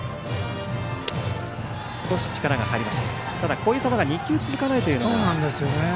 こういう球が２球続かないというのは。